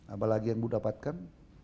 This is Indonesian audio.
apalagi yang ibu dapatkan